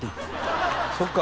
「そっか」